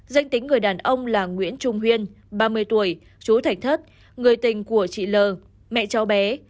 danh tính người đàn ông là nguyễn trung huyên ba mươi tuổi chú thạch thất người tình của chị l mẹ cháu bé